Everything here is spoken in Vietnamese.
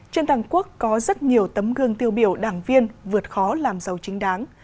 trên toàn quốc có rất nhiều tấm gương tiêu biểu đảng viên vượt khó làm giàu chính đáng